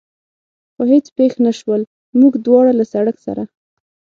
خو هېڅ پېښ نه شول، موږ دواړه له سړک سره.